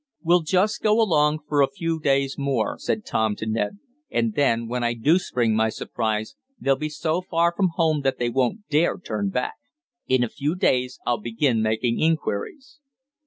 "We'll just go along for a few days more," said Tom, to Ned, "and then, when I do spring my surprise, they'll be so far from home that they won't dare turn back. In a few days I'll begin making inquiries."